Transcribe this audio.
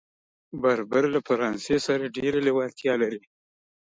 بربر له فرانسې سره ډېره لېوالتیا لري.